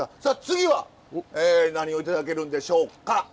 さあ次は何を頂けるんでしょうか？